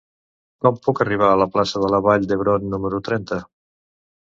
Com puc arribar a la plaça de la Vall d'Hebron número trenta?